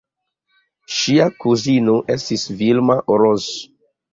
Ŝia kuzino estis Vilma Orosz.